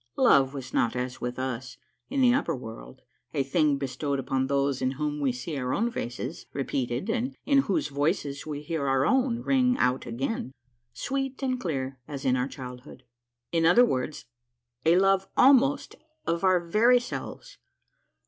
Love was not as with us, in the upper world, a thing bestowed upon those in whom we see our own faces repeated and in whose voices we heard our own ring out again, sweet and clear as in our childhood ; in other words, a love almost of our very selves.